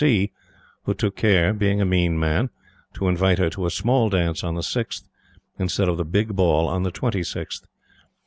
D. C., who took care, being a mean man, to invite her to a small dance on the 6th instead of the big Ball of the 26th.